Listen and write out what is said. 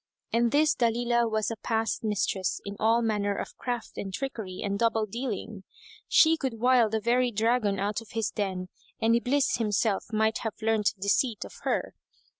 And this Dalilah was a past mistress in all manner of craft and trickery and double dealing; she could wile the very dragon out of his den and Iblis himself might have learnt deceit of her.